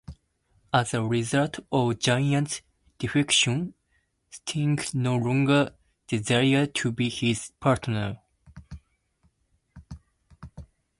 As a result of Giant's defection, Sting no longer desired to be his partner.